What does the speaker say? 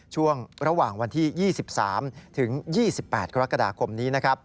ช่วงระหว่างวันที่๒๓ถึง๒๘กรกฎาคมนี้